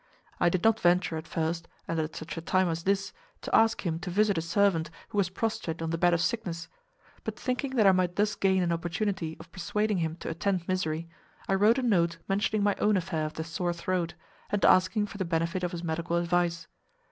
I did not venture at first, and at such a time as this, to ask him to visit a servant who was prostrate on the bed of sickness, but thinking that I might thus gain an opportunity of persuading him to attend Mysseri, I wrote a note mentioning my own affair of the sore throat, and asking for the benefit of his medical advice.